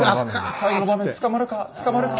最後の場面捕まるか捕まるか。